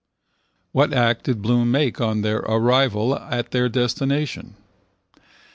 What act did Bloom make on their arrival at their destination?